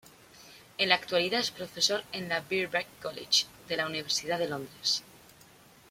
En la actualidad es profesor en el Birkbeck College, de la Universidad de Londres.